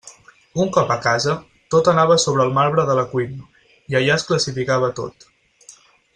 Un cop a casa, tot anava a sobre el marbre de la cuina, i allà es classificava tot.